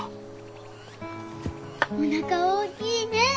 おなか大きいね！